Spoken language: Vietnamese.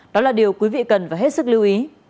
đó là điều quý vị cần phải hết sức lưu ý